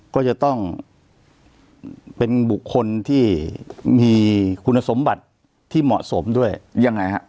ก็จะต้องเป็นบุคคลที่มีคุณสมบัติที่เหมาะสมด้วยยังไงฮะ